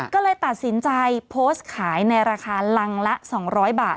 ก็เลยตัดสินใจโพสต์ขายในราคารังละ๒๐๐บาท